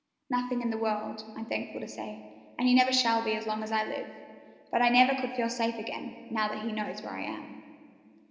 "Nothing in the world, I'm thankful to say, and he never shall be as long as I live. But I never could feel safe again, now that he knows where I am."